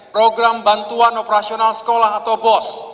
program bantuan operasional sekolah atau bos